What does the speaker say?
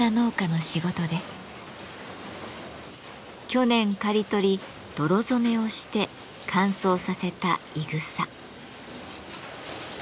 去年刈り取り泥染めをして乾燥させたいぐさ。